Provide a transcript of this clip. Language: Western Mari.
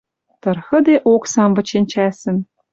Тырхыде оксам вычен чӓсӹн.